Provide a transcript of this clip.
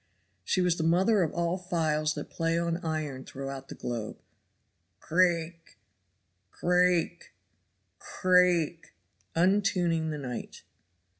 She was the mother of all files that play on iron throughout the globe. Crake! crake! crake! untuning the night.